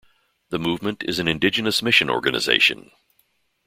The movement is an indigenous mission organization.